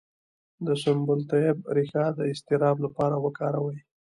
د سنبل الطیب ریښه د اضطراب لپاره وکاروئ